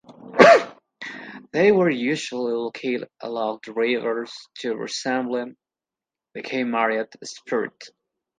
They were usually located along the rivers, to resemble "The Key Mariah Spirit".